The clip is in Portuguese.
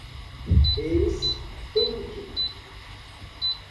ex tunc